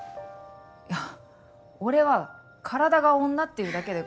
いや俺は体が女っていうだけで。